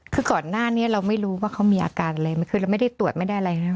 คือก่อนหน้านี้เราไม่รู้ว่าเขามีอาการอะไรคือเราไม่ได้ตรวจไม่ได้อะไรนะ